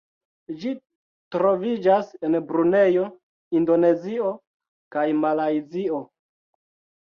Ĝi troviĝas en Brunejo, Indonezio kaj Malajzio.